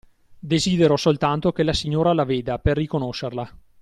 Desidero soltanto che la signora la veda, per riconoscerla.